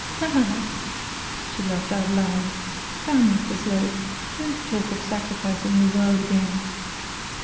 'Ha! Ha! Ha!,' she laughed out loud. 'Come, Mr Slope, don't talk of sacrificing the world again.